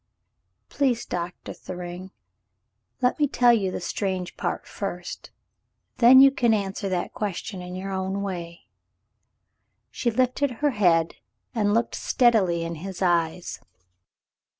"Please, Doctor Thryng, let me tell you the strange part first, then you can answer that question in your own way." She lifted her head and looked steadily in his eyes.